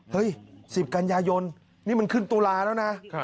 เฮ้ย๑๐กันยายนนี่มันขึ้นตุลาแล้วนะ